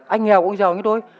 anh nghèo cũng giàu như tôi